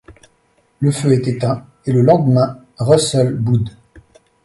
Le feu est éteint, et le lendemain, Russell boude.